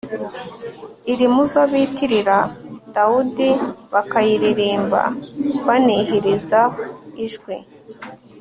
iri mu zo bitirira dawudi, bakayiririmba banihiriza ijwi